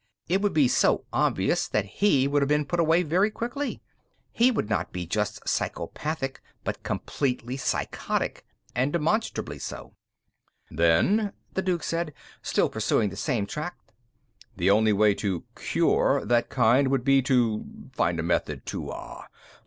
It would be so obvious that he would have been put away very quickly. He would not be just psychopathic, but completely psychotic and demonstrably so." "Then," the Duke said, still pursuing the same track, "the only way to 'cure' that kind would be to find a method to